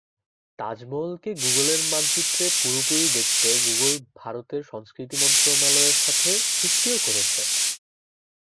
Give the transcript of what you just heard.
তাজমহলকে গুগলের মানচিত্রে পুরোপুরি দেখাতে গুগল ভারতের সংস্কৃতি মন্ত্রণালয়ের সঙ্গে চুক্তিও করেছে।